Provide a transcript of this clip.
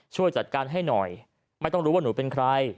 ช่วยจัดการให้หน่อยไม่ต้องรู้ว่าหนูเป็นใคร